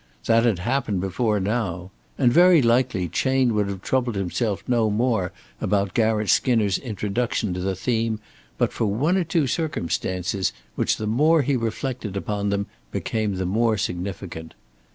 That had happened before now. And very likely Chayne would have troubled himself no more about Garratt Skinner's introduction of the theme but for one or two circumstances which the more he reflected upon them became the more significant.